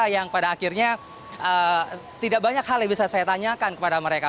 yang pada akhirnya tidak banyak hal yang bisa saya tanyakan kepada mereka